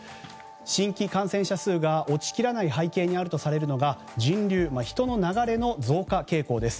新規感染者数が落ち切らない背景にあるとされるのが人流、人の流れの増加傾向です。